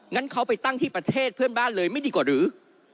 งั้นเขาไปตั้งที่ประเทศเพื่อนบ้านเลยไม่ดีกว่าหรือ